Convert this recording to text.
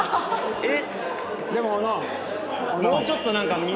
えっ！